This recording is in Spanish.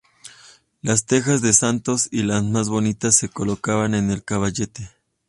Las tejas de santos y las más bonitas se colocaban en el caballete.